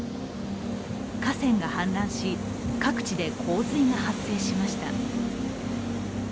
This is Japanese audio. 河川が氾濫し、各地で洪水が発生しました。